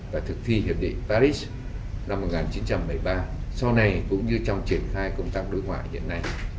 và thực thi hiệp định paris năm một nghìn chín trăm một mươi ba sau này cũng như trong triển khai công tác đối ngoại hiện nay